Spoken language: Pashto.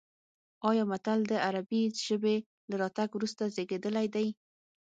ایا متل د عربي ژبې له راتګ وروسته زېږېدلی دی